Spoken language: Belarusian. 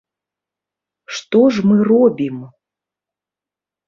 Што ж мы робім?